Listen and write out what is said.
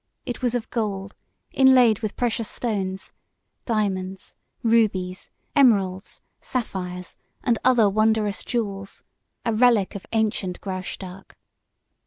It was of gold, inlaid with precious stones diamonds, rubies, emeralds, sapphires and other wondrous jewels a relic of ancient Graustark.